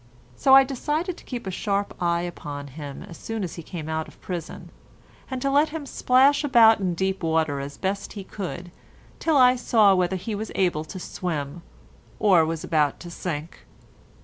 So I decided to keep a sharp eye upon him as soon as he came out of prison, and to let him splash about in deep water as best he could till I saw whether he was able to swim, or was about to sink.